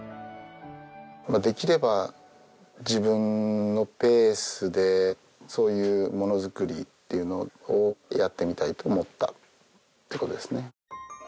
できれば自分のペースでそういうものづくりっていうのをやってみたいと思ったって事ですね。